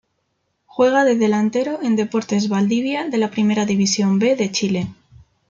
Juega de delantero en Deportes Valdivia de la Primera División B de Chile.